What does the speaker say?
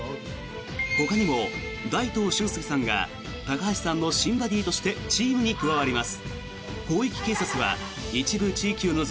ほかにも大東駿介さんが高橋さんの新バディとしてチームに加わります。